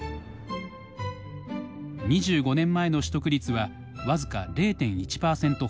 ２５年前の取得率は僅か０．１％ほど。